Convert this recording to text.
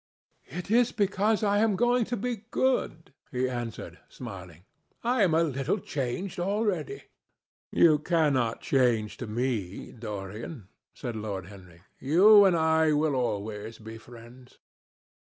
"It is because I am going to be good," he answered, smiling. "I am a little changed already." "You cannot change to me, Dorian," said Lord Henry. "You and I will always be friends."